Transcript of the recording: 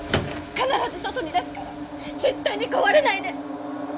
必ず外に出すから絶対に壊れないで！